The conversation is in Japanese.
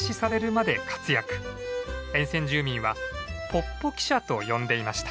沿線住民はポッポ汽車と呼んでいました。